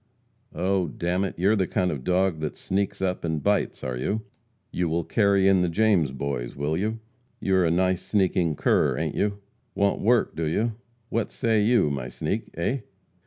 "Oh, d n it, you are the kind of a dog that sneaks up and bites, are you? You will carry in the James Boys, will you? You are a nice sneaking cur, ain't you? Want work, do you? What say you, my sneak? Eh?"